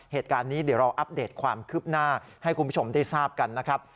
เหตุการณ์นี้เดี๋ยวเราอัปเดตความคืบหน้าให้คุณผู้ชมได้ทราบกันนะครับ